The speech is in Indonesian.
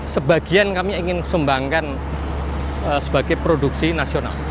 sebagian kami ingin sumbangkan sebagai produksi nasional